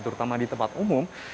terutama di tempat umum